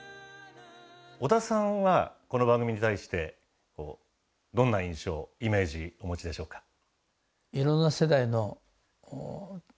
小田さんはこの番組に対してどんな印象イメージお持ちでしょうか？